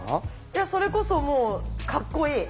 いやそれこそもうかっこいい。